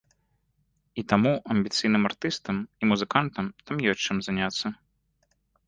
І таму амбіцыйным артыстам і музыкантам там ёсць чым заняцца.